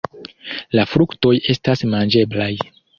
La fruktoj estas manĝeblaj.